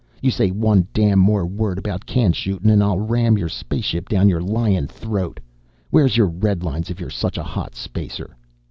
"You say one damn more word about can shootin' and I'll ram your spaceship down your lyin' throat! Wheah's your redlines if you're such a hot spacer?"